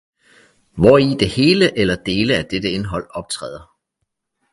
hvori det hele eller dele af dette indhold optræder.